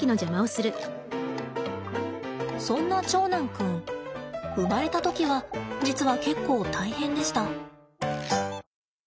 そんな長男君生まれた時は実は結構大変でした。